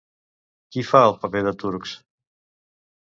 Qui fa el paper de Turks?